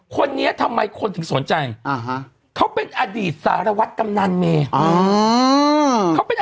คนนี้ทำไมคนถึงสนใจเขาเป็นอดีตสารวัตรกำนันเมย์